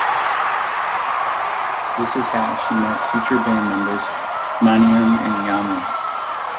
This is how she met future bandmembers Manian and Yanou.